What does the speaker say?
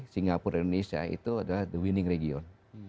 singapura indonesia itu adalah the winning region